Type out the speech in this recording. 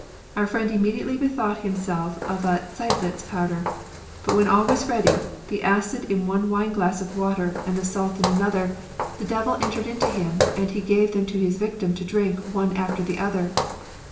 Our friend immediately bethought himself of a Seidlitz powder ; but when all was ready, the acid in one wine glass of water and 40 MEDICAL SCIENCE. the salt in another, the devil entered into him, and he gave them to his victim to drink one after the other.